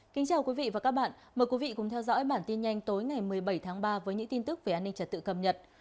kính chào quý vị và các bạn mời quý vị cùng theo dõi bản tin nhanh tối ngày một mươi bảy tháng ba với những tin tức về an ninh trật tự cầm nhật